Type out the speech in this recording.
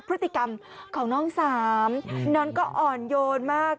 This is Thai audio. พฤติกรรมของน้องสามน้องก็อ่อนโยนมาก